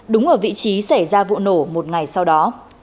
đúng ở vị trí xảy ra vụ nổ một ngày sau đó